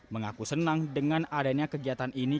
mengaku senang dengan adanya kegiatan ini